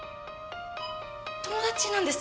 友達なんです！